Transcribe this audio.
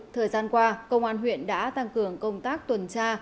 thời gian qua công an huyện đã tăng cường công tác tuần tra